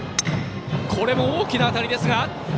これも大きな当たりですが。